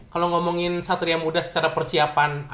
kalau ngomongin satria muda secara persiapan